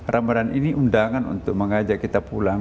ramadhan ini undangan untuk mengajak kita pulang